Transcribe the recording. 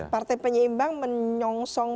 partai penyeimbang menyongsong